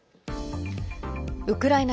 ウクライナ